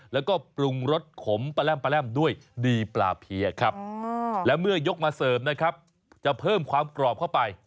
แล้วก็ปรุงรสขมปลาแร่มปลาแร่มด้วยดีปลาเพียครับและเมื่อยกมาเสริมนะครับจะเพิ่มความกรอบเข้าไป